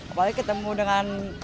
apalagi ketemu dengan